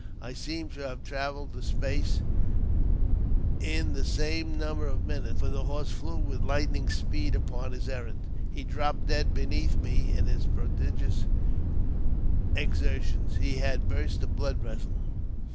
I seemed to have travelled the space in the same number of minutes, for the horse flew with lightning speed upon his errand. He dropped dead beneath me ; in his prodigious exertions he had burst a blood vessel.